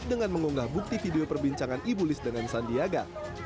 dengan mengunggah bukti video perbincangan ibu liz dengan sandiaga